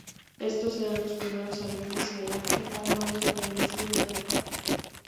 Estos serán los primeros aviones Mirage armados con el misil británico.